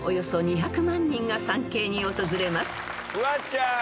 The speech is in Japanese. フワちゃん。